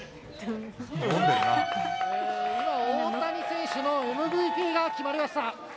今、大谷選手のＭＶＰが決まりました。